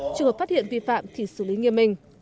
trường hợp phát hiện vi phạm thì xử lý nghiêm minh